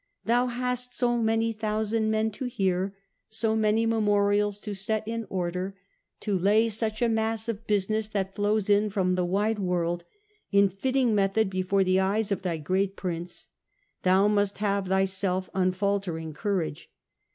' Thou hast so many thousand men to hear, so many memorials to set in order. To lay such a mass of business, that flows in from the wide world, in fitting method before the eyes of thy great prince, thou must have thyself unfaltering courage.